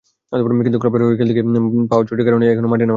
কিন্তু ক্লাবের হয়ে খেলতে গিয়ে পাওয়া চোটের কারণেই এখনো মাঠে নামা হয়নি।